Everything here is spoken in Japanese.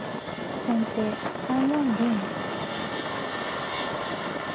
先手３四銀。